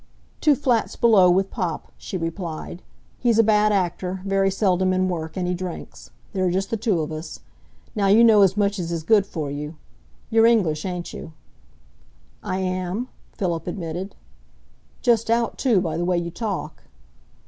"Two flats below with pop," she replied. "He's a bad actor, very seldom in work, and he drinks. There are just the two of us. Now you know as much as is good for you. You're English, ain't you?" "I am," Philip admitted. "Just out, too, by the way you talk."